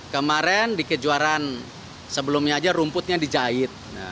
kemarin di kejuaraan sebelumnya aja rumputnya dijahit